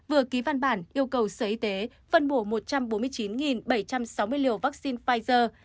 vừa ký văn bản yêu cầu sở y tế phân bổ một trăm bốn mươi chín bảy trăm sáu mươi liều vaccine pfizer